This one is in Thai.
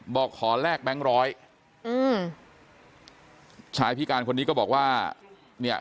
บอกขอแลกแบงค์ร้อยอืมชายพิการคนนี้ก็บอกว่าเนี่ย